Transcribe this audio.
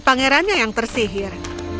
pangerannya yang tersihir